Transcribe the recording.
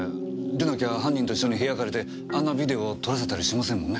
でなきゃ犯人と一緒に部屋借りてあんなビデオを撮らせたりしませんもんね。